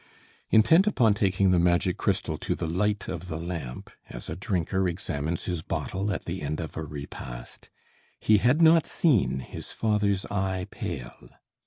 Intent upon taking the magic crystal to the light of the lamp, as a drinker examines his bottle at the end of a repast, he had not seen his father's eye pale.